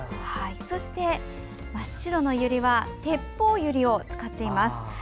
そして、真っ白のユリはテッポウユリを使っています。